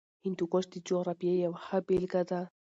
هندوکش د جغرافیې یوه ښه بېلګه ده.